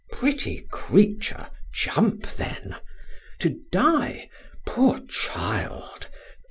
Pretty creature, jump then! To die? Poor child!